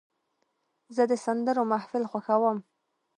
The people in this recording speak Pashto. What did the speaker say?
زه د سندرو محفل خوښوم.